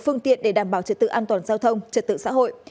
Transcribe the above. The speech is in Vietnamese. phương tiện để đảm bảo trợ tự an toàn giao thông trợ tự xã hội